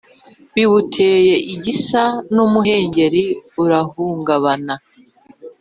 biwuteye igisa numuhengeri urahungabana